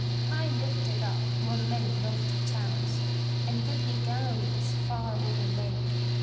High lifted up were many lofty towers And goodly galleries far overlaid.